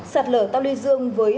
sạt lở tàu ly dương với